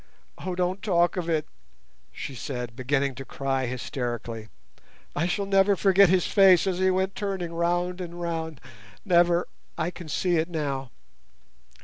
"Oh, don't talk of it!" she said, beginning to cry hysterically; "I shall never forget his face as he went turning round and round, never—I can see it now."